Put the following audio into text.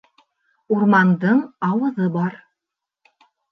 Урмандың ауыҙы бар